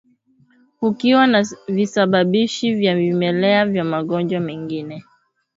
Kukiwa na visababishi vya vimelea vya magonjwa mengine